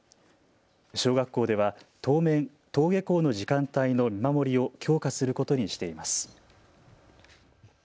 小学校では当面、登下校の時間帯の見守りを強化することにしています。